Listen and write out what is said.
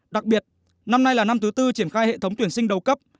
đặc biệt năm nay là năm thứ tư triển khai hệ thống tuyển sinh đầu cấp